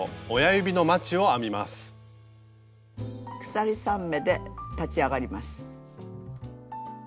鎖３目で立ち上がります。